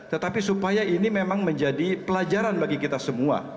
tetapi supaya ini memang menjadi pelajaran bagi kita semua